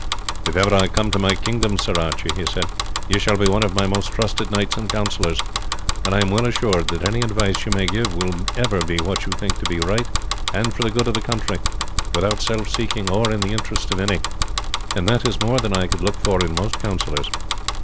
"If ever I come to my kingdom, Sir Archie," he said, "you shall be one of my most trusted knights and counsellors; and I am well assured that any advice you may give will be ever what you think to be right and for the good of the country, without self seeking or in the interest of any; and that is more than I could look for in most counsellors.